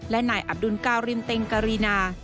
และนายอับดุลการินเต็งการีนา